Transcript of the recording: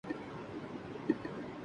لاتے ہیں سرور اول دیتے ہیں شراب آخر